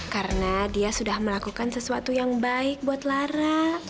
karena dia sudah melakukan sesuatu yang baik buat lara